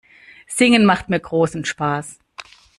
Singen macht mir großen Spaß.